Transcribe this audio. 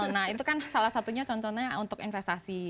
nah itu kan salah satunya contohnya untuk investasi